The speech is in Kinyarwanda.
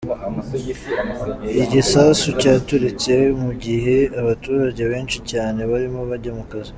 Igisasu cyaturitse mu gihe abaturage benshi cyane barimo bajya mu kazi.